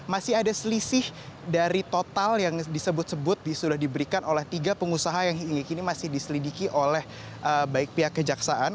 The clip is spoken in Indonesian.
masih ada selisih dari total yang disebut sebut sudah diberikan oleh tiga pengusaha yang hingga kini masih diselidiki oleh baik pihak kejaksaan